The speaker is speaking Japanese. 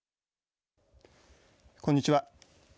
こんにちは。